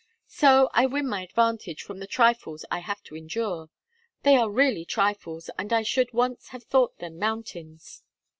'So I win my advantage from the trifles I have to endure. They are really trifles, and I should once have thought them mountains!'